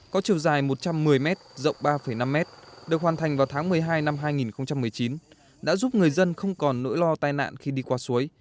có chiều dài một trăm một mươi m rộng ba năm m được hoàn thành vào tháng một mươi hai năm hai nghìn một mươi chín đã giúp người dân không còn nỗi lo tai nạn khi đi qua suối